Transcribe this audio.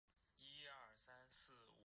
我看到旧的资料